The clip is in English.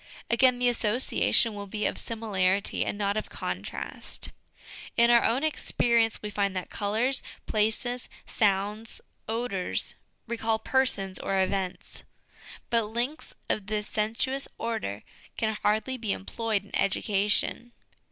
Again, the association will be of similarity, and not of contrast. In our own ex perience we find that colours, places, sounds, odours recall persons or events ; but links of this sensuous order can hardly be employed in education.